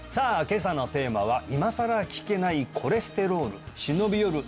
今朝のテーマは今さら聞けないコレステロール忍び寄る